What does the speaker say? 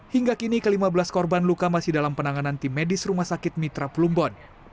hingga kini ke lima belas korban luka masih dalam penanganan tim medis rumah sakit mitra plumbon